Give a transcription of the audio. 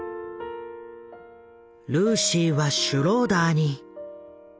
ルーシーはシュローダーに。